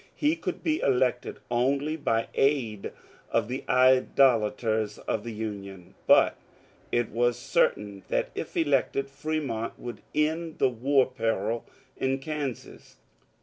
He could be elected only by aid of the idolaters of the Union, but it was certain that if elected Fremont would end the war peril in E[ansas.